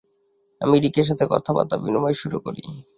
আমি রিকের সাথে বার্তা বিনিময় শুরু করি।